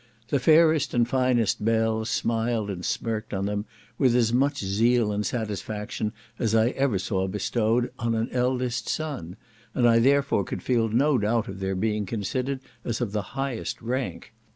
The fairest and finest belles smiled and smirked on them with as much zeal and satisfaction as I ever saw bestowed on an eldest son, and I therefore could feel no doubt of their being considered as of the highest rank.